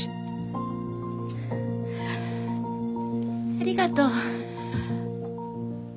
ありがとう。